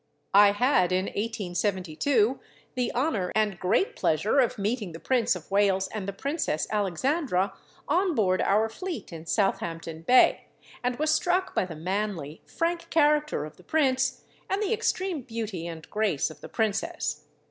I had, in 1872, the honor and great pleasure of meeting the Prince of Wales and the Princess Alexandra on board our fleet in Southampton Bay, and was struck by the manly, frank character of the prince, and the extreme beauty and grace of the princess.